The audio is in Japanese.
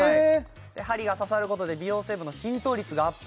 針が刺さることで美容成分の浸透率がアップ